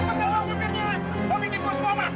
eh kalau gak diri harus aku sampai